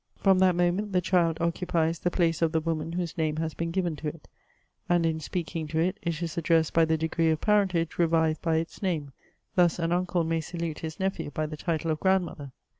From that moment the child occupies the place of the woman whose name has been g^ven to it ; and in speaking to it, it is addressed by the degree of parentage revived by its name ; thus an uncle may salute his nephew by the title of grandmother.